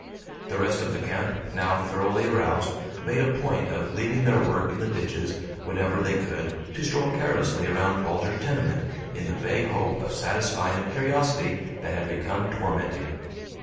The rest of the camp, now thoroughly aroused, made a point of leaving their work in the ditches, whenever they could, to stroll carelessly around Bulger's tenement in the vague hope of satisfying a curiosity that had become tormenting.